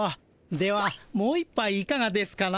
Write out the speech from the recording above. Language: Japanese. ではもう一ぱいいかがですかな？